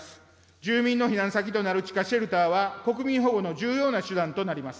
住民の避難先となる地下シェルターは、国民保護の重要な手段となります。